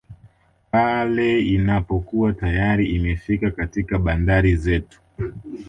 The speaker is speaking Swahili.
Pale inapokuwa tayari imefika katika bandari zetu